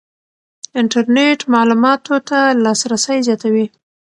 انټرنېټ معلوماتو ته لاسرسی زیاتوي.